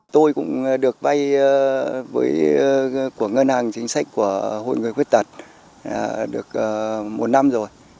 tôi cũng được vay của ngân hàng chính sách của hội người khuyết tật được một năm rồi